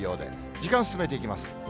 時間進めていきます。